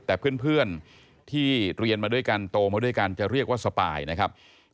แต่เพื่อนที่เรียนมาด้วยกันโตมาด้วยกันจะเรียกว่าสปายนะครับ